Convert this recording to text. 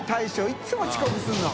いつも遅刻するの。